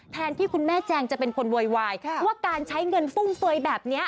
แทนที่คุณแม่แจงจะเป็นคนโวยวายว่าการใช้เงินฟุ่มเฟยแบบนี้